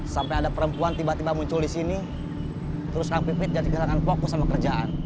sampai ada perempuan tiba tiba muncul di sini terus kang pipit jadi kehilangan fokus sama kerjaan